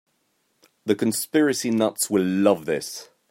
The conspiracy nuts will love this.